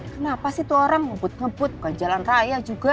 kenapa sih itu orang ngebut ngebut ke jalan raya juga